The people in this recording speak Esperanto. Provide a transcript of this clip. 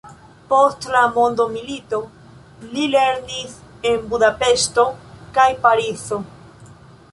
Post la mondomilito li lernis en Budapeŝto kaj Parizo.